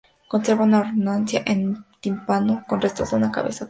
Conserva una hornacina en el tímpano con restos de una cabeza tallada en yeso.